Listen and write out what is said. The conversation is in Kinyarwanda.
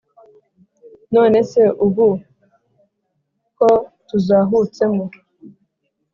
none se ubu ko tuzahutsemo